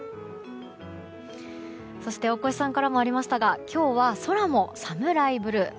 そして大越さんからもありましたが今日は空もサムライブルー。